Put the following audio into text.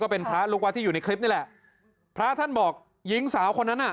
เป็นพระลูกวัดที่อยู่ในคลิปนี่แหละพระท่านบอกหญิงสาวคนนั้นอ่ะ